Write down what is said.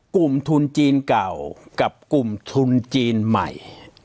กลุ่มทุนจีนเก่ากับกลุ่มทุนจีนใหม่